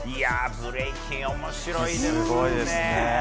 ブレイキン、面白いですね。